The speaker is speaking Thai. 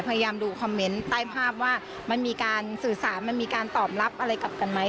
พยายามดูคอมเมนต์ใต้ภาพว่ามันมีการสื่อสารมันมีการตอบรับอะไรกลับกันไหม